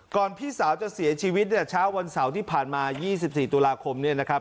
พี่สาวจะเสียชีวิตเนี่ยเช้าวันเสาร์ที่ผ่านมา๒๔ตุลาคมเนี่ยนะครับ